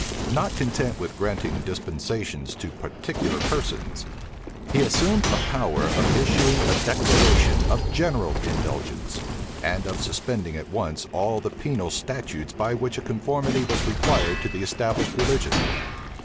Not content with granting dispensations to particular persons, he assumed a power of issuing a declaration of general indulgence, and of suspending at once all the penal statutes by which a conformity was required to the established religion.